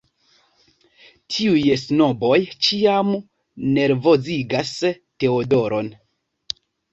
Tiuj snoboj ĉiam nervozigas Teodoron.